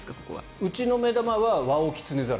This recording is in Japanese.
うちの目玉はワオキツネザル。